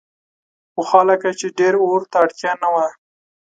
پخوا لکه چې ډېر اور ته اړتیا نه وه.